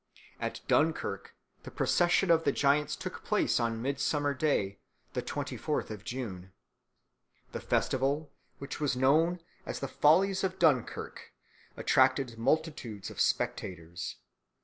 At Dunkirk the procession of the giants took place on Midsummer Day, the twenty fourth of June. The festival, which was known as the Follies of Dunkirk, attracted multitudes of spectators.